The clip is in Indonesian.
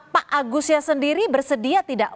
pak agusnya sendiri bersedia tidak